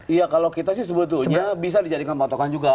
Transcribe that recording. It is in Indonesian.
iya kalau kita sih sebetulnya bisa dijadikan patokan juga